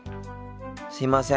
すいません。